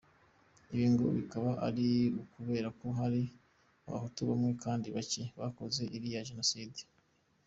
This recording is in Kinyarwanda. Ibi, ngo bikaba ari ukubera ko hari Abahutu bamwe kandi bacye, bakoze iriya genocide!